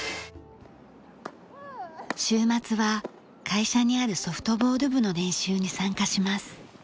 週末は会社にあるソフトボール部の練習に参加します。